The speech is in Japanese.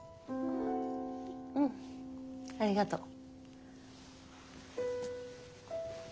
うんありがとう。